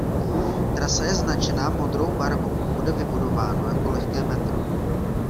Trasa je značená modrou barvou a bude vybudováno jako lehké metro.